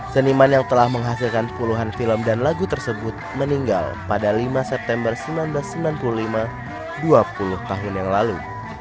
seniman yang telah menghasilkan puluhan film dan lagu tersebut meninggal pada lima september seribu sembilan ratus sembilan puluh lima dua puluh tahun yang lalu